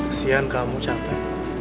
kesian kamu capek